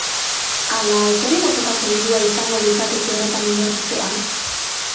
Ala alferrik botatako dirua izango litzateke horretan inbertitzea?